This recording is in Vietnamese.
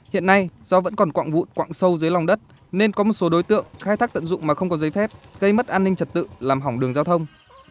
hiện nay do vẫn còn quạng vụn quạng sâu dưới lòng đất nên có một số đối tượng khai thác tận dụng mà không có giấy phép gây mất an ninh trật tự làm hỏng đường giao thông